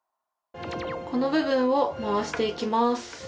この部分を回していきます。